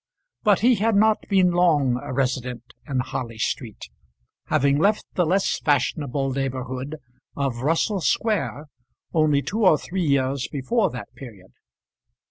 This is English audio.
But he had not been long a resident in Harley Street, having left the less fashionable neighbourhood of Russell Square only two or three years before that period.